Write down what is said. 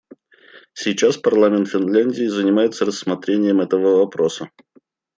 Сейчас парламент Финляндии занимается рассмотрением этого вопроса.